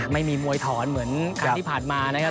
ไม่มีมวยถอนเหมือนครั้งที่ผ่านมานะครับ